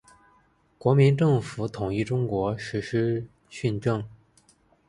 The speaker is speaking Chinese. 国民政府统一中国，实施训政。